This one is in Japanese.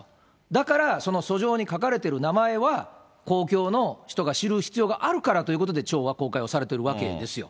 だからその訴状に書かれている名前は公共の人が知る必要があるからということで、町は公開をされているわけですよ。